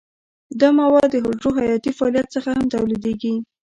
دا مواد د حجرو حیاتي فعالیت څخه هم تولیدیږي.